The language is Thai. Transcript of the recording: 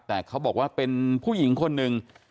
แต่เขาบอกว่าเป็นผู้หญิงคนหนึ่ง